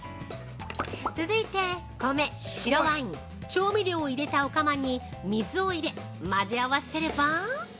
◆続いて、米、白ワイン、調味料を入れたお釜に水を入れ混ぜ合わせれば。